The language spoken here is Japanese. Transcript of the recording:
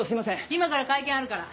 今から会見あるから。